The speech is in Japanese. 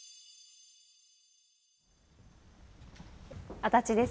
足立です。